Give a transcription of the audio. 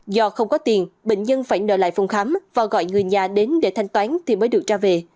do không có tiền bệnh nhân phải nợ lại phòng khám và gọi người nhà đến để thanh toán thì mới được ra về